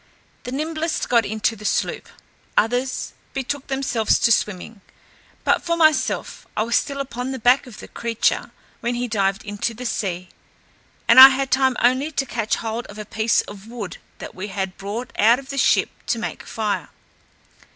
The nimblest got into the sloop, others betook themselves to swimming; but for myself I was still upon the back of the creature, when he dived into the sea, and I had time only to catch hold of a piece of wood that we had brought out of the ship to make a fire.